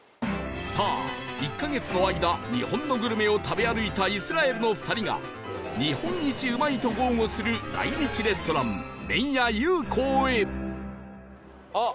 さあ１カ月の間日本のグルメを食べ歩いたイスラエルの２人が日本一うまいと豪語する来日レストラン麺屋優光へ